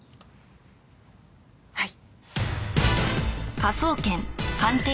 はい。